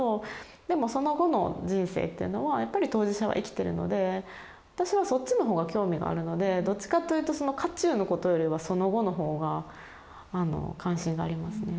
でもその後の人生っていうのはやっぱり当事者は生きてるので私はそっちのほうが興味があるのでどっちかというとその渦中のことよりはその後のほうが関心がありますね。